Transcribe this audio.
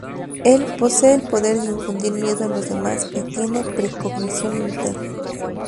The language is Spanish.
Él posee el poder de infundir miedo en los demás, y tiene pre-cognición limitada.